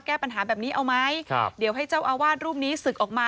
แก้ปัญหาแบบนี้เอาไหมครับเดี๋ยวให้เจ้าอาวาสรูปนี้ศึกออกมา